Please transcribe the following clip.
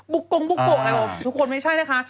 ปุกกลุ่งว่าทุกคนไม่ใช่นะคะ